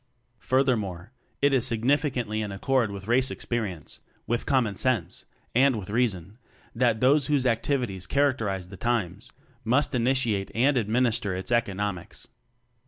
Furthermore, it is significantly in accord with race experience, with commonsense and with reason that: Those whose activities characterize the times, must initiate and adminis ter ats economics.